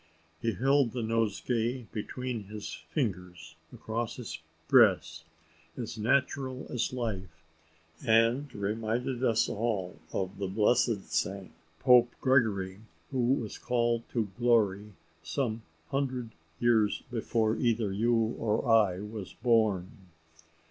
He held the nosegay between his fingers, across his breast, as natural as life, and reminded us all of the blessed saint Pope Gregory who was called to glory some hundred years before either you or I was born.